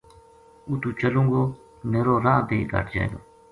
اُتو چلوں گو میرو راہ بے گھَٹ جائے گو